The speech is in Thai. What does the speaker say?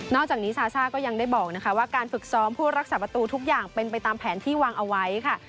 อกจากนี้ซาซ่าก็ยังได้บอกนะคะว่าการฝึกซ้อมผู้รักษาประตูทุกอย่างเป็นไปตามแผนที่วางเอาไว้ค่ะ